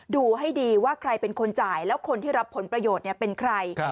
ดูให้ดีว่าใครเป็นคนจ่ายแล้วคนที่รับผลประโยชน์เป็นใคร